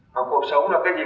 còn cuộc sống là cái gì